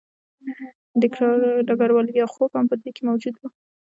ډګروال لیاخوف هم په دوی کې موجود و